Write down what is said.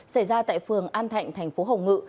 xảy ra tại phường an thạnh thành phố hồng ngự